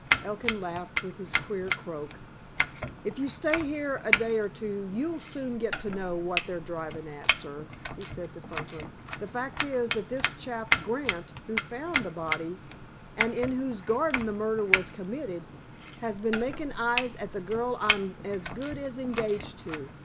Elkin laughed, with his queer croak. "If you stay here a day or two, you'll soon get to know what they're driving at, sir," he said to Franklin. "The fact is that this chap, Grant, who found the body, and in whose garden the murder was committed, has been making eyes at the girl I'm as good as engaged to.